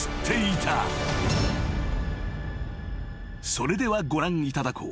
［それではご覧いただこう］